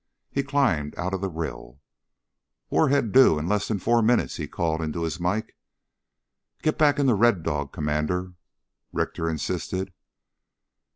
He climbed out of the rill. "Warhead due in less than four minutes," he called into his mike. "Get back into Red Dog, Commander," Richter insisted.